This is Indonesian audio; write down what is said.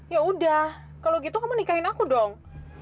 ya udah kalau gitu kamu nikahin aku dong